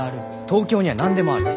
東京には何でもある。